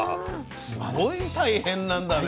すごい大変なんだね。